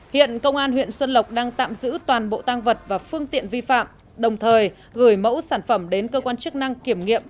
hiện công an huyện xuân lộc đang tạm giữ toàn bộ tăng vật và phương tiện vi phạm đồng thời gửi mẫu sản phẩm đến cơ quan chức năng kiểm nghiệm